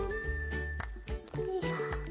よいしょ。